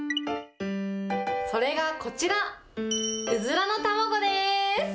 それがこちら、うずらの卵です。